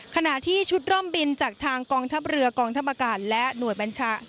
ขณะที่ชุดร่มบินจากทางกองทัพเรือกองทัพอากาศและหน่วยบัญชา